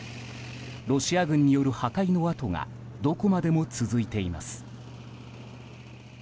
ロシア軍による破壊の跡がどこまでも続いています。